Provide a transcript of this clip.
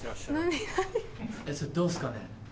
それどうっすかね？